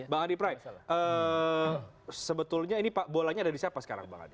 bang adi prai sebetulnya ini bolanya ada di siapa sekarang bang adi